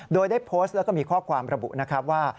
โดยได้โพสต์แล้วก็มีข้อความระบุนะครับว่า